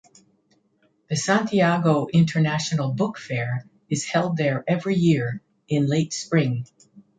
The Santiago International Book Fair is held there every year in late spring.